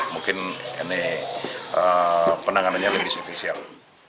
mungkin ini penanganan yang terjadi di rumah kos ini